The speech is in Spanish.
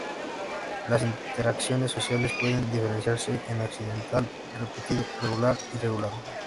Las interacciones sociales pueden diferenciarse en accidental, repetido, regular, y regulado.